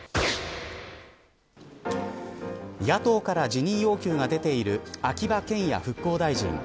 野党から辞任要求が出ている秋葉賢也復興大臣。